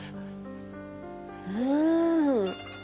うん。